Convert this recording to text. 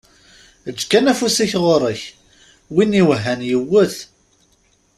Eǧǧ kan afus-ik ɣur-k, win i iwehhan yewwet.